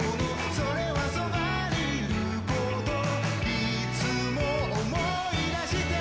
「それは側にいることいつも思い出して」